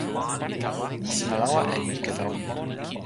sina lawa e ike tawa mi.